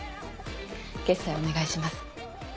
決裁をお願いします。